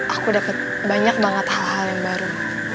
aku dapat banyak banget hal hal yang baru